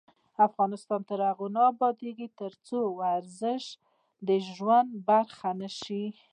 افغانستان تر هغو نه ابادیږي، ترڅو ورزش د ژوند برخه نشي.